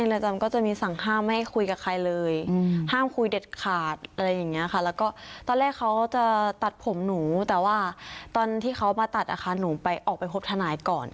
แล้วก็ตอนแรกเขาจะตัดผมหนูแต่ว่าตอนที่เขามาตัดหนูไปออกไปพบธนายก่อน